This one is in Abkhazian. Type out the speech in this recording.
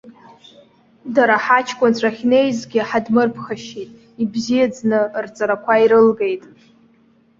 Дара ҳаҷкәынцәа ахьнеизгьы ҳадмырԥхашьеит, ибзиаӡаны рҵарақәа ирылгеит.